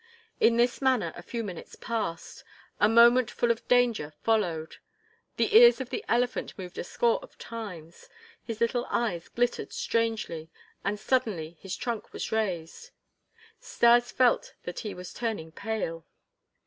In this manner a few minutes passed; a moment full of danger followed. The ears of the elephant moved a score of times, his little eyes glittered strangely, and suddenly his trunk was raised. Stas felt that he was turning pale.